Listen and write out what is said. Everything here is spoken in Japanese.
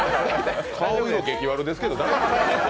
顔色激悪ですけど大丈夫ですか。